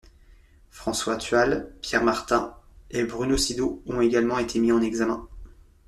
François Thual, Pierre Martin et Bruno Sido ont également été mis en examen.